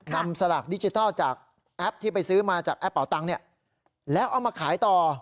สลากดิจิทัลจากแอปที่ไปซื้อมาจากแอปเป่าตังค์เนี่ยแล้วเอามาขายต่อ